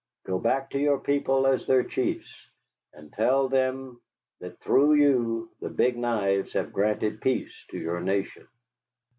Go back to your people as their chiefs, and tell them that through you the Big Knives have granted peace to your nation."